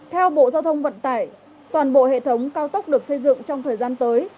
theo bộ giao thông vận tải toàn bộ hệ thống cao tốc được xây dựng trong thời gian tới